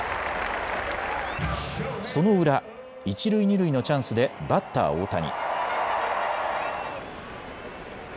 その裏、一塁二塁のチャンスでバッター大谷。